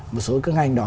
một số cái ngành đó